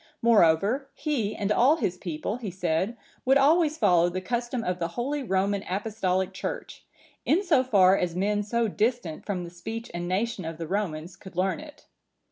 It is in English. Moreover, he and all his people, he said, would always follow the custom of the holy Roman Apostolic Church, in so far as men so distant from the speech and nation of the Romans could learn it.